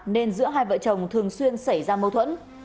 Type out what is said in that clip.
nên giữa hai vợ chồng thường xuyên xảy ra mâu thuẫn